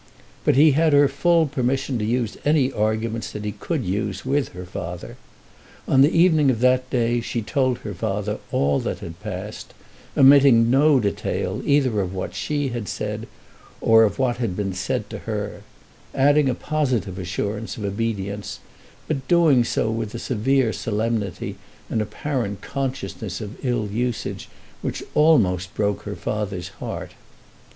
But he had her full permission to use any arguments that he could use with her father. On the evening of that day she told her father all that had passed, omitting no detail either of what she had said or of what had been said to her, adding a positive assurance of obedience, but doing so with a severe solemnity and apparent consciousness of ill usage which almost broke her father's heart.